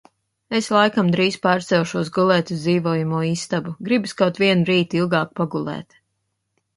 Es laikam drīz pārcelšos gulēt uz dzīvojamo istabu, gribas kaut vienu rītu ilgāk pagulēt.